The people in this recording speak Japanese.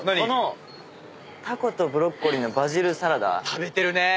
食べてるね！